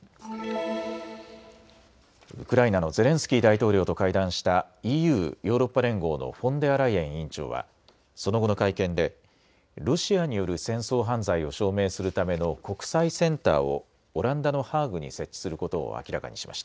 ウクライナのゼレンスキー大統領と会談したＥＵ・ヨーロッパ連合のフォンデアライエン委員長はその後の会見でロシアによる戦争犯罪を証明するための国際センターをオランダのハーグに設置することを明らかにしました。